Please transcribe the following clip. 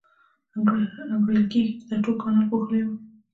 انګېرل کېږي چې دا ټول کانال پوښلی و.